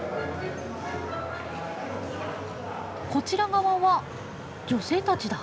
こちら側は女性たちだ。